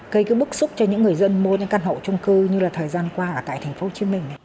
gây cái bức xúc cho những người dân mua những căn hộ trung cư như là thời gian qua ở tại tp hcm này